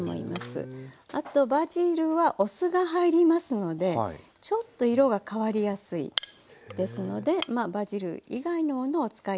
あとバジルはお酢が入りますのでちょっと色が変わりやすいですのでバジル以外のものをお使い頂いた方がいいかなと思います。